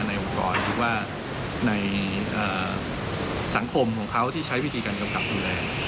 องค์กรหรือว่าในสังคมของเขาที่ใช้วิธีการกำกับดูแล